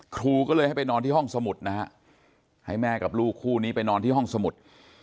ครูก็เลยให้ไปนอนที่ห้องสมุดนะฮะให้แม่กับลูกคู่นี้ไปนอนที่ห้องสมุด